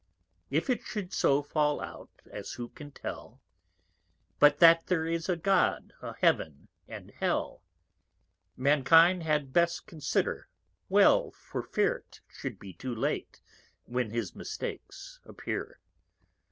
_ _If it shou'd so fall out, as who can tell, But that there is a God, a Heaven, and Hell, Mankind had best consider well for Fear, 't should be too late when his Mistakes appear.